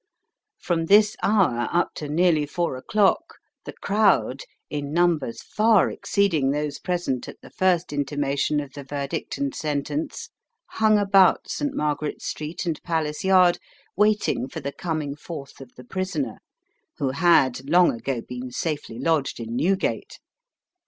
From this hour up to nearly four o'clock the crowd, in numbers far exceeding those present at the first intimation of the verdict and sentence, hung about St. Margaret's Street and Palace Yard waiting for the coming forth of the prisoner, who had long ago been safely lodged in Newgate.